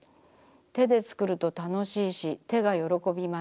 手でつくると楽しいし手がよろこびます。